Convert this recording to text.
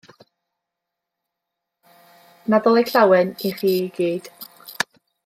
Nadolig Llawen i chi i gyd.